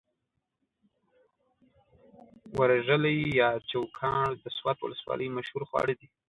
ورژلي يا چوکاڼ د سوات ولسوالۍ مشهور خواړه دي.